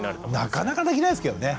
なかなかできないですけどね。